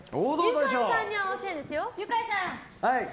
ユカイさんに合わせます！